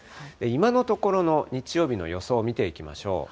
今のところの日曜日の予想を見ていきましょう。